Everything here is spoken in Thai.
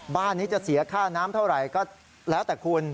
บ้านนี้จะเสียค่าน้ำเท่าไหร่ก็แล้วแต่คุณ